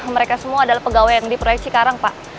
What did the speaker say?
mereka semua adalah pegawai yang di proyeksi karang pak